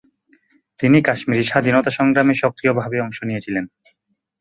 তিনি কাশ্মীরি স্বাধীনতা সংগ্রামে সক্রিয়ভাবে অংশ নিয়েছিলেন।